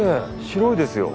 白いですよ。